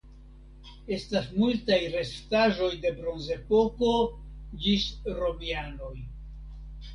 Estas multaj restaĵoj de Bronzepoko ĝis romianoj.